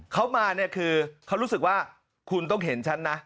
เขามาเนี่ยคือเขารู้สึกว่าคุณต้องเห็นฉันนะ